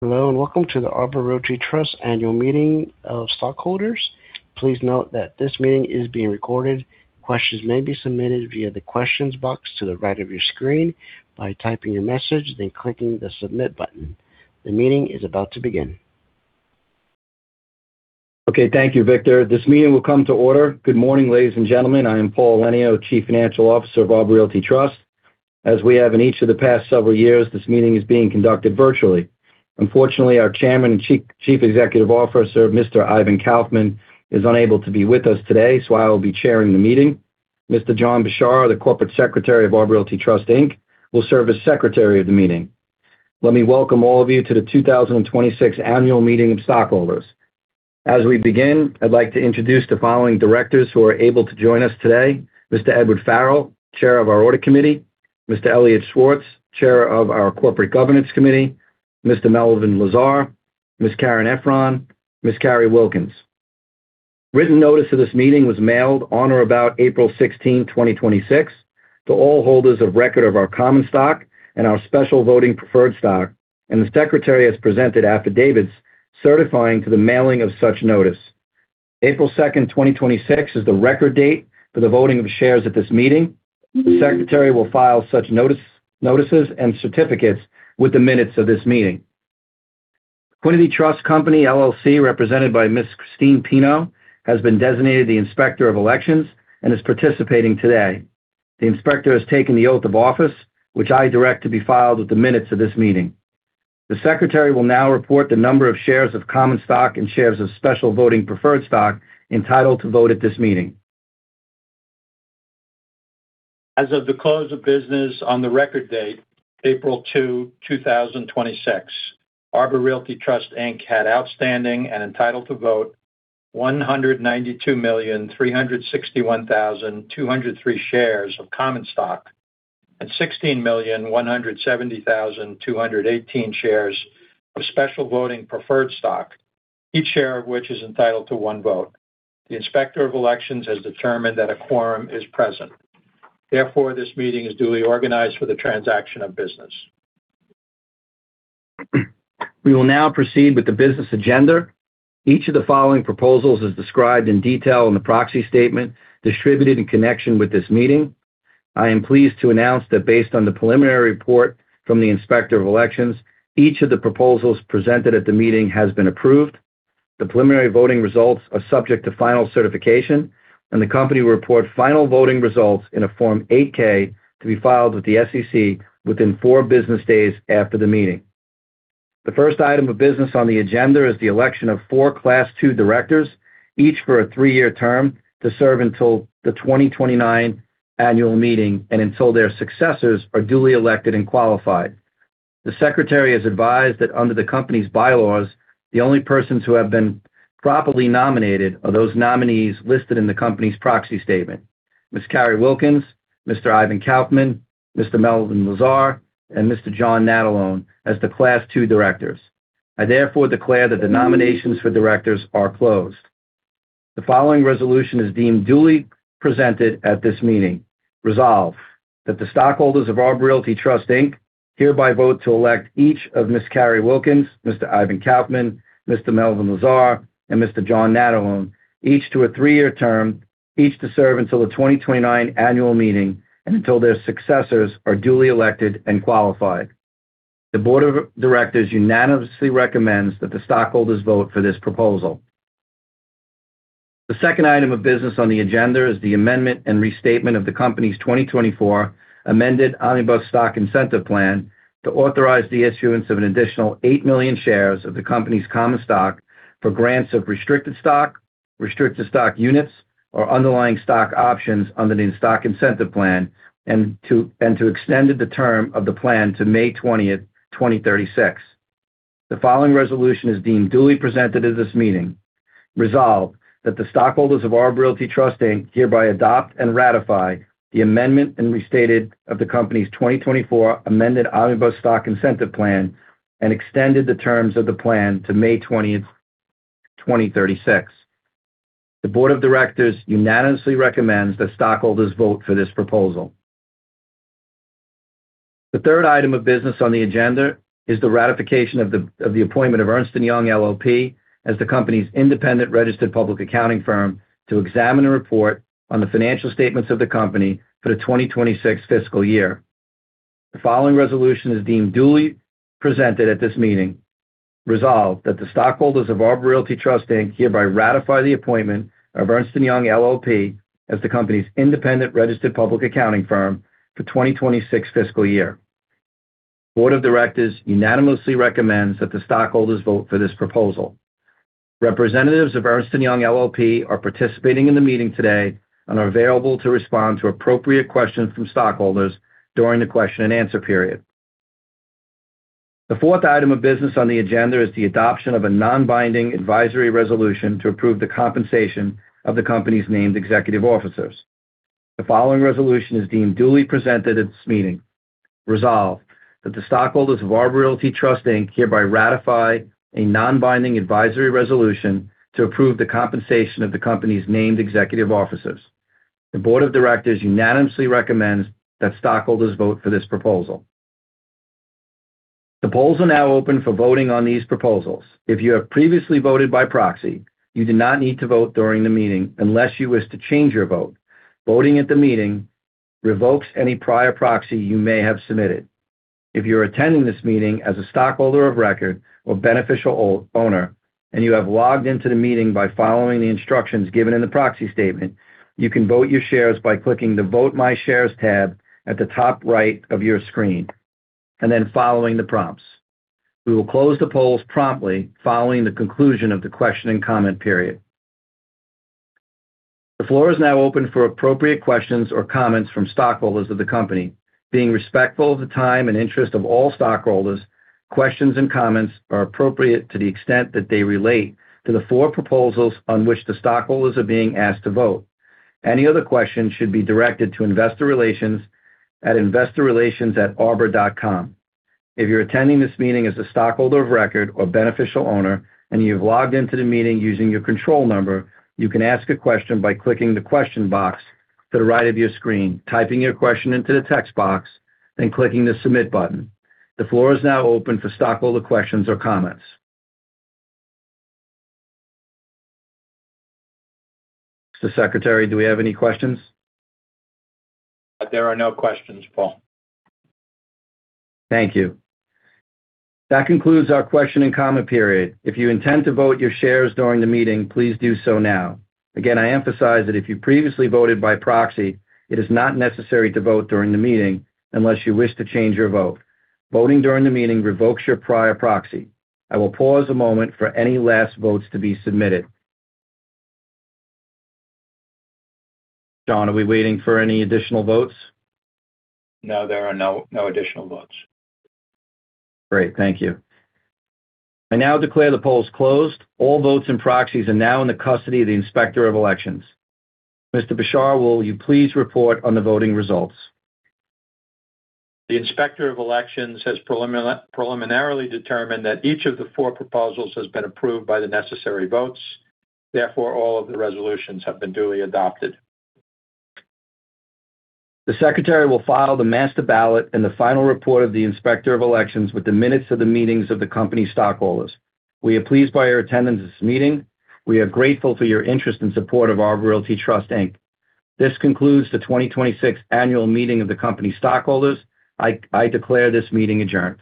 Hello, welcome to the Arbor Realty Trust Annual Meeting of Stockholders. Please note that this meeting is being recorded. Questions may be submitted via the questions box to the right of your screen by typing your message, then clicking the submit button. The meeting is about to begin. Okay. Thank you, Victor. This meeting will come to order. Good morning, ladies and gentlemen. I am Paul Elenio, Chief Financial Officer of Arbor Realty Trust. As we have in each of the past several years, this meeting is being conducted virtually. Unfortunately, our Chairman and Chief Executive Officer, Mr. Ivan Kaufman, is unable to be with us today, so I will be chairing the meeting. Mr. John J. Bishar, the Corporate Secretary of Arbor Realty Trust, Inc., will serve as secretary of the meeting. Let me welcome all of you to the 2026 Annual Meeting of Stockholders. As we begin, I'd like to introduce the following Directors who are able to join us today. Mr. Edward Farrell, Chair of our Audit Committee. Mr. Elliot Schwartz, Chair of our Corporate Governance Committee, Mr. Melvin Lazar, Ms. Caryn Effron, Ms. Carrie Wilkens. Written notice of this meeting was mailed on or about April 16, 2026, to all holders of record of our common stock and our special voting preferred stock, and the secretary has presented affidavits certifying to the mailing of such notice. April 2nd, 2026, is the record date for the voting of shares at this meeting. The secretary will file such notices and certificates with the minutes of this meeting. Equiniti Trust Company, LLC, represented by Ms. Christine Pino, has been designated the Inspector of Elections and is participating today. The Inspector has taken the oath of office, which I direct to be filed with the minutes of this meeting. The secretary will now report the number of shares of common stock and shares of special voting preferred stock entitled to vote at this meeting. As of the close of business on the record date, April 2, 2026, Arbor Realty Trust, Inc. had outstanding and entitled to vote 192,361,203 shares of common stock and 16,170,218 shares of special voting preferred stock, each share of which is entitled to one vote. The Inspector of Elections has determined that a quorum is present. Therefore, this meeting is duly organized for the transaction of business. We will now proceed with the business agenda. Each of the following proposals is described in detail in the proxy statement distributed in connection with this meeting. I am pleased to announce that based on the preliminary report from the Inspector of Elections, each of the proposals presented at the meeting has been approved. The preliminary voting results are subject to final certification, and the company will report final voting results in a Form 8-K to be filed with the SEC within four business days after the meeting. The first item of business on the agenda is the election of four Class II directors, each for a three-year term, to serve until the 2029 annual meeting and until their successors are duly elected and qualified. The Secretary is advised that under the company's bylaws, the only persons who have been properly nominated are those nominees listed in the company's proxy statement, Ms. Carrie Wilkens, Mr. Ivan Kaufman, Mr. Melvin Lazar, and Mr. John Natalone as the Class II directors. I therefore declare that the nominations for directors are closed. The following resolution is deemed duly presented at this meeting. Resolved, that the stockholders of Arbor Realty Trust, Inc. hereby vote to elect each of Ms. Carrie Wilkens, Mr. Ivan Kaufman, Mr. Melvin Lazar, and Mr. John Natalone, each to a three-year term, each to serve until the 2029 annual meeting and until their successors are duly elected and qualified. The board of directors unanimously recommends that the stockholders vote for this proposal. The second item of business on the agenda is the amendment and restatement of the company's 2024 Amended Omnibus Stock Incentive Plan to authorize the issuance of an additional 8 million shares of the company's common stock for grants of restricted stock, restricted stock units, or underlying stock options under the stock incentive plan and to extend the term of the plan to May 20, 2036. The following resolution is deemed duly presented at this meeting. Resolved, that the stockholders of Arbor Realty Trust, Inc. hereby adopt and ratify the amendment and restatement of the company's 2024 Amended Omnibus Stock Incentive Plan and extended the terms of the plan to May 20, 2036. The board of directors unanimously recommends that stockholders vote for this proposal. The third item of business on the agenda is the ratification of the appointment of Ernst & Young LLP as the company's independent registered public accounting firm to examine and report on the financial statements of the company for the 2026 fiscal year. The following resolution is deemed duly presented at this meeting. Resolved, that the stockholders of Arbor Realty Trust, Inc. hereby ratify the appointment of Ernst & Young LLP as the company's independent registered public accounting firm for 2026 fiscal year. The Board of Directors unanimously recommends that the stockholders vote for this proposal. Representatives of Ernst & Young LLP are participating in the meeting today and are available to respond to appropriate questions from stockholders during the question and answer period. The fourth item of business on the agenda is the adoption of a non-binding advisory resolution to approve the compensation of the company's named executive officers. The following resolution is deemed duly presented at this meeting. Resolved, that the stockholders of Arbor Realty Trust, Inc. hereby ratify a non-binding advisory resolution to approve the compensation of the company's named executive officers. The board of directors unanimously recommends that stockholders vote for this proposal. The polls are now open for voting on these proposals. If you have previously voted by proxy, you do not need to vote during the meeting unless you wish to change your vote. Voting at the meeting revokes any prior proxy you may have submitted. If you are attending this meeting as a stockholder of record or beneficial owner, and you have logged into the meeting by following the instructions given in the proxy statement, you can vote your shares by clicking the Vote My Shares tab at the top right of your screen, and then following the prompts. We will close the polls promptly following the conclusion of the question and comment period. The floor is now open for appropriate questions or comments from stockholders of the company. Being respectful of the time and interest of all stockholders, questions and comments are appropriate to the extent that they relate to the four proposals on which the stockholders are being asked to vote. Any other questions should be directed to investor relations at investorrelations@arbor.com. If you're attending this meeting as a stockholder of record or beneficial owner, and you've logged into the meeting using your control number, you can ask a question by clicking the question box to the right of your screen, typing your question into the text box, then clicking the submit button. The floor is now open for stockholder questions or comments. Mr. Secretary, do we have any questions? There are no questions, Paul. Thank you. That concludes our question and comment period. If you intend to vote your shares during the meeting, please do so now. Again, I emphasize that if you previously voted by proxy, it is not necessary to vote during the meeting unless you wish to change your vote. Voting during the meeting revokes your prior proxy. I will pause a moment for any last votes to be submitted. John, are we waiting for any additional votes? No, there are no additional votes. Great. Thank you. I now declare the polls closed. All votes and proxies are now in the custody of the Inspector of Elections. Mr. Bishar, will you please report on the voting results? The Inspector of Elections has preliminarily determined that each of the four proposals has been approved by the necessary votes. Therefore, all of the resolutions have been duly adopted. The secretary will file the master ballot and the final report of the Inspector of Elections with the minutes of the meetings of the company stockholders. We are pleased by your attendance this meeting. We are grateful for your interest and support of Arbor Realty Trust, Inc. This concludes the 2026 annual meeting of the company stockholders. I declare this meeting adjourned.